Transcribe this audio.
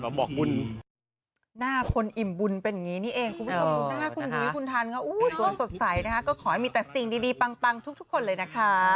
ก็ขอให้มีแต่สิ่งดีปังทุกคนเลยนะคะ